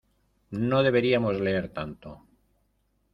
No deberíamos leer tanto.